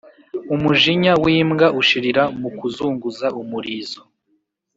Umujinya w’imbwa ushirira mu kuzunguza umurizo.